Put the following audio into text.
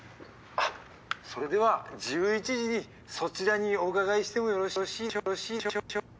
あっそれでは１１時にそちらにお伺いしてもよろしい。